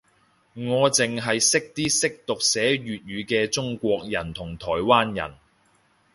我剩係識啲識讀寫粵語嘅中國人同台灣人